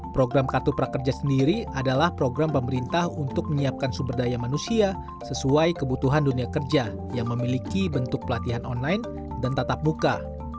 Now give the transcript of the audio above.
program kartu prakerja sendiri adalah program pemerintah untuk menyiapkan sumber daya manusia sesuai kebutuhan dunia kerja yang memiliki bentuk pelatihan online dan tatap muka